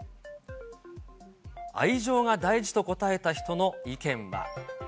愛情が大事と答えた人の意見は。